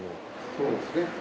そうですね。